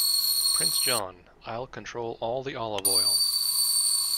Prince John: I'll control all the olive oil!